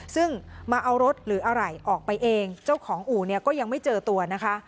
ซึ่งมาเอารถหรืออะไรออกไปเองเจ้าของอู่เนี่ยก็ยังไม่เจอตัวนะคะ